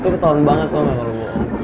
itu ketauan banget lo gak perlu ngomong